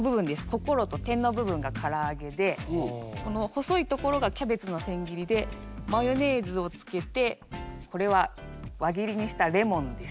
心と点の部分がからあげでこの細い所がキャベツの千切りでマヨネーズをつけてこれは輪切りにしたレモンです。